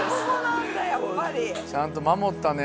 ちゃんと守ったね。